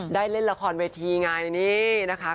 ได้เล่นละครเวทีไงนี่นะคะ